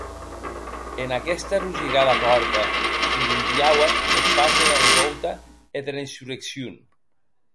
En aguesta rosigada pòrta s’endonviaue eth pas dera revòuta e dera insurreccion.